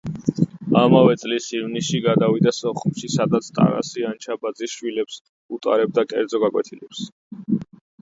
ამავე წლის ივნისში გადავიდა სოხუმში, სადაც ტარასი ანჩაბაძის შვილებს უტარებდა კერძო გაკვეთილებს.